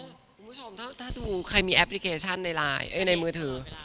คุณผู้ชมถ้าดูใครมีแอปพลิเคชันในไลน์ในมือถือ